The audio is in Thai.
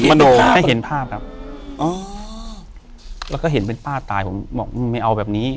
โนให้เห็นภาพครับอ๋อแล้วก็เห็นเป็นป้าตายผมบอกมึงไม่เอาแบบนี้